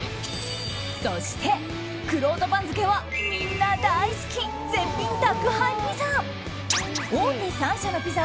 そして、くろうと番付はみんな大好き、絶品宅配ピザ。